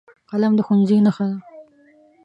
قلم د ښوونځي نښه ده